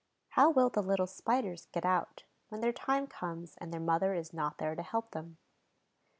How will the little Spiders get out, when their time comes and their mother is not there to help them?